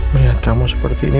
lihat kamu seperti ini